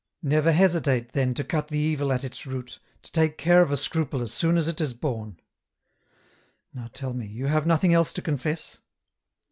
256 EN ROUTE. " Never hesitate, then, to cut the evil at its root, to take care of a scruple as soon as it is bom. " Now tell me ; you have nothing else to confess